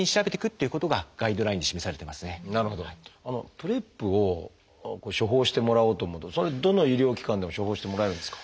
ＰｒＥＰを処方してもらおうと思うとそれはどの医療機関でも処方してもらえるんですか？